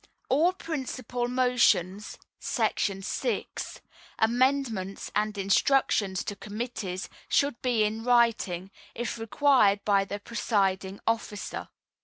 All Principal Motions [§ 6], Amendments and Instructions to Committees, should be in writing, if required by the presiding officer.